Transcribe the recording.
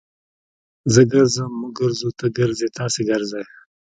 زه ګرځم. موږ ګرځو. تۀ ګرځې. تاسي ګرځئ.